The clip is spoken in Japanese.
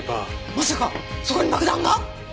まさかそこに爆弾が！？